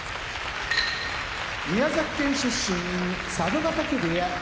宮崎県出身佐渡ヶ嶽部屋宇良